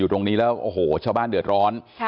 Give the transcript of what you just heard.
ตรงนี้แล้วโอ้โหชาวบ้านเดือดร้อน